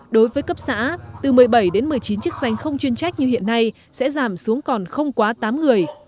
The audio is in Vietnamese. đối với cấp xã từ một mươi bảy đến một mươi chín chức danh không chuyên trách như hiện nay sẽ giảm xuống còn không quá tám người